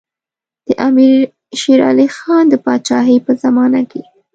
د امیر شېر علي خان د پاچاهۍ په زمانه کې.